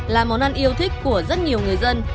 là món ăn yêu thích của rất nhiều người dân